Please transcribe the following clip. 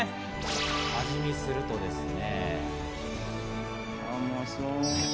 味見をするとですね。